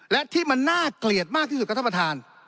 และที่มันน่าเกลียดมากที่สุดครับท่านประธาน